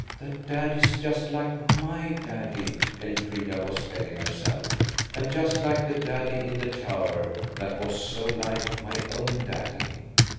"That daddy's just like my daddy," Elfrida was telling herself; "and just like the daddy in the Tower that was so like my own daddy."